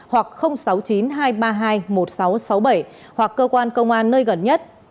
hoặc sáu mươi chín hai trăm ba mươi hai một nghìn sáu trăm sáu mươi bảy hoặc cơ quan công an nơi gần nhất